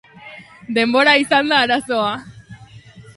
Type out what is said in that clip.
Denbora izan da arazoa.